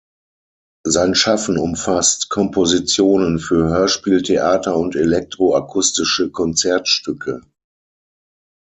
Sein Schaffen umfasst Kompositionen für Hörspiel, Theater und elektro-akustische Konzertstücke.